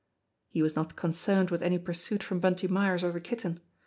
He was not concerned with any pursuit from Bunty Myers or the Kitten.